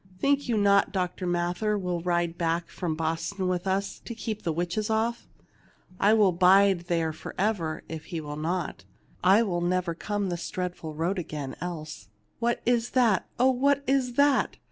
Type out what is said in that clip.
Think you not Dr. Mather will ride back from Boston with us to keep the witches off ? I will bide there forever, if he will not. I will never come this dreadful road again, else. What is that ? Oh, what is that